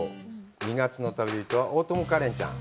２月の旅人は大友花恋ちゃん。